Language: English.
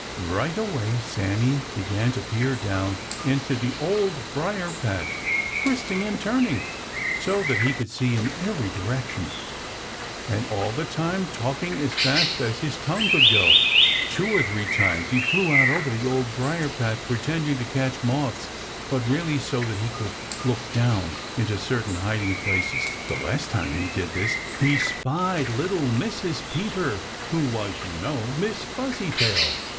Right away Sammy began to peer down into the Old Briar patch, twisting and turning so that he could see in every direction, and all the time talking as fast as his tongue could go. Two or three times he flew out over the Old Briar patch, pretending to try to catch moths, but really so that he could look down into certain hiding places. The last time that he did this he spied little Mrs. Peter, who was, you know, Miss Fuzzytail.